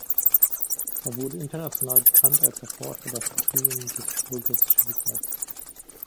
Er wurde international bekannt als Erforscher der Fossilien des Burgess-Schiefers.